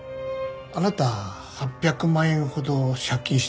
あなた８００万円ほど借金してましたね？